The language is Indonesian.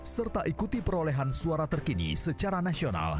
serta ikuti perolehan suara terkini secara nasional